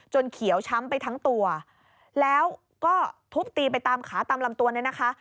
เขียวช้ำไปทั้งตัวแล้วก็ทุบตีไปตามขาตามลำตัวเนี่ยนะคะ